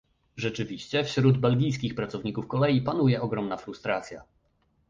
Rzeczywiście wśród belgijskich pracowników kolei panuje ogromna frustracja